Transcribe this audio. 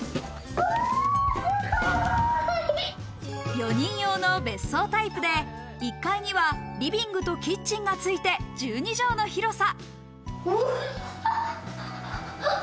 ４人用の別荘タイプで、１階にはリビングとキッチンがついて１２畳の広さ。